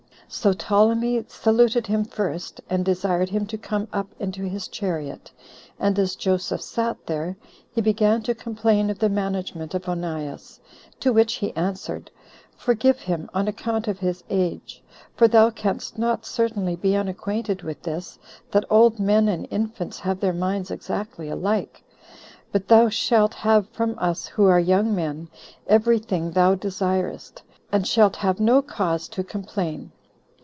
So Ptolemy saluted him first, and desired him to come up into his chariot; and as Joseph sat there, he began to complain of the management of Onias: to which he answered, "Forgive him, on account of his age; for thou canst not certainly be unacquainted with this, that old men and infants have their minds exactly alike; but thou shalt have from us, who are young men, every thing thou desirest, and shalt have no cause to complain."